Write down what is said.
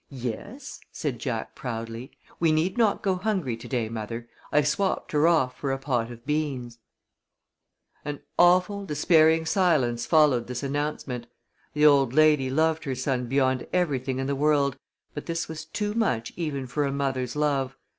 "Yes," said Jack, proudly. "We need not go hungry to day, mother. I swapped her off for a pot of beans." [Illustration: THE BEANS SCATTERED IN EVERY DIRECTION] An awful, despairing silence followed this announcement. The old lady loved her son beyond everything in the world, but this was too much even for a mother's love.